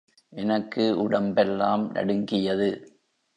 எனக்கு உடம்பெல்லாம் நடுங்கியது.